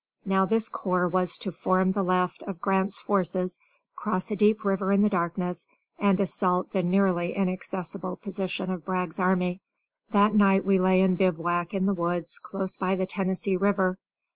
Now this corps was to form the left of Grant's forces, cross a deep river in the darkness, and assault the nearly inaccessible position of Bragg's army. That night we lay in bivouac in the woods close by the Tennessee River.